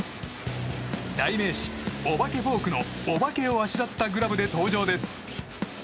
代名詞、おばけフォークのおばけをあしらったグラブで登場です。